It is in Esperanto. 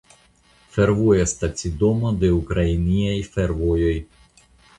Fervoja stacidomo de Ukrainaj fervojoj.